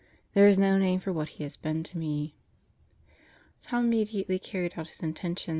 there is no name for what he has been to me." Tom immediately carried out his intention.